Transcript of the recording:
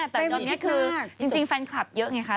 แต่ตอนนี้คือจริงแฟนคลับเยอะไงคะ